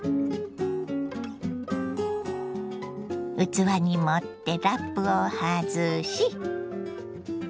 器に盛ってラップを外し。